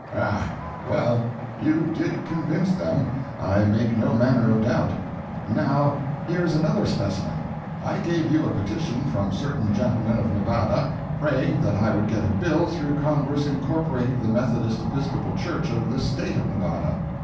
"Ah. Well, you did convince them, I make no manner of doubt. Now, here is another specimen. I gave you a petition from certain gentlemen of Nevada, praying that I would get a bill through Congress incorporating the Methodist Episcopal Church of the State of Nevada.